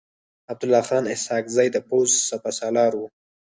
عبدالله خان اسحق زی د پوځ سپه سالار و.